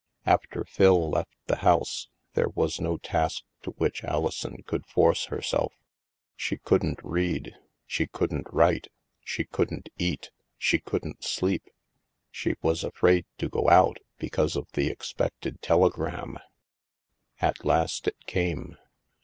After Phil left the house, there was no task to which Alison could force herself. She couldn't read, she couldn't write, she couldn't eat, she couldn't sleep. She was afraid to go out, because of the expected telegram. At last it came.